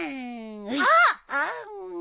あっ！